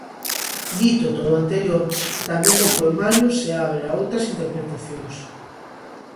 Dito todo o anterior, tamén o poemario se abre a outras interpretacións.